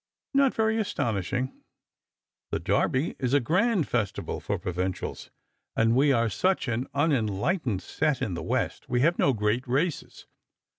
" Not very astonishing ; the Derby is a grand festival for provincials ; and we are such an unenlightened set in the West, we have no great races.